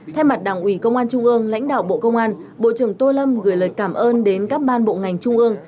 thay mặt đảng ủy công an trung ương lãnh đạo bộ công an bộ trưởng tô lâm gửi lời cảm ơn đến các ban bộ ngành trung ương